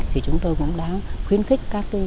thì chúng tôi cũng đã khuyến khích các tư nhân